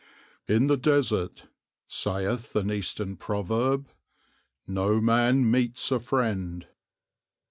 "In the desert," saith an Eastern proverb, "no man meets a friend."